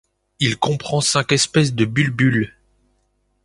Il comprend cinq espèces de bulbuls.